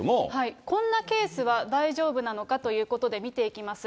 こんなケースは大丈夫なのかということで見ていきます。